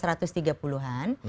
kalau saya lihat